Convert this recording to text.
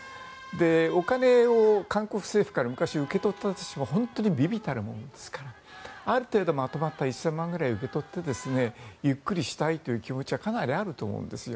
お金を韓国政府から昔受け取っていたとしても微々たるものですからある程度まとまった１０００万ぐらい受け取ってゆっくりしたいという気持ちはかなりあると思うんです。